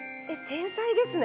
「天才ですね！」